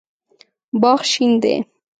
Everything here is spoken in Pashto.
باغ شین دی